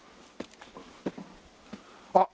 あっ！